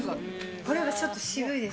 これはちょっと渋いです。